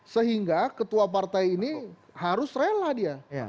sehingga ketua partai ini harus rela dia